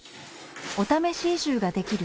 お試し移住ができる